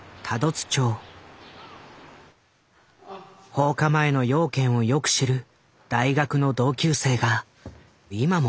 放火前の養賢をよく知る大学の同級生が今も健在だ。